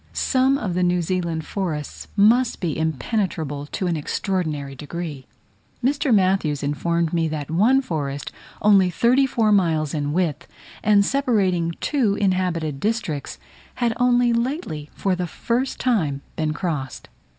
Some of the New Zealand forest must be impenetrable to an extraordinary degree. Mr. Matthews informed me that one forest only thirty four miles in width, and separating two inhabited districts, had only lately, for the first time, been crossed.